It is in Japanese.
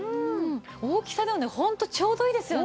大きさでもねホントちょうどいいですよね。